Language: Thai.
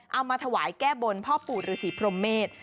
เอามาถวายแก้บนพ่อปู่ฤษีพรมเมษ